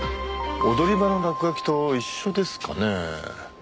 踊り場の落書きと一緒ですかねえ。